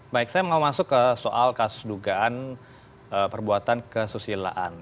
baik saya mau masuk ke soal kasus dugaan perbuatan kesusilaan